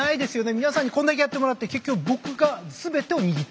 皆さんにこんだけやってもらって結局僕が全てを握っていると。